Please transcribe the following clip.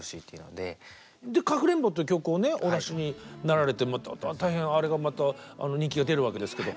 で「かくれんぼ」という曲をねお出しになられて大変あれがまた人気が出るわけですけど。